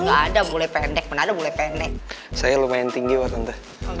enggak ada boleh pendek pendek saya lumayan tinggi waktu nanti